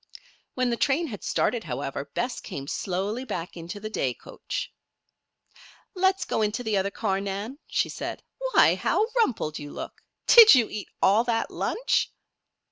When the train had started, however, Bess came slowly back into the day coach. "Let's go into the other car, Nan," she said. "Why! how rumpled you look! Did you eat all that lunch?"